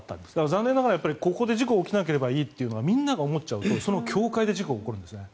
残念ながらここで事故が起きなければいいとみんなが思っちゃうとその境界で事故が起こるんですよね。